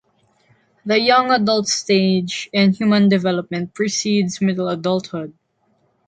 The young adult stage in human development precedes middle adulthood.